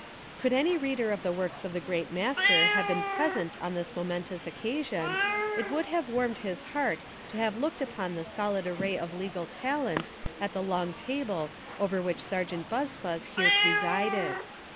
Could any reader of the works of the Great Master have been present on this momentous occasion. It would have warmed his heart to have looked upon the solid array of legal talent at the long table over which Sergeant Buzfuz 207 Essays and Literary Studies here presided.